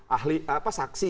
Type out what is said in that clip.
ahli apa saksi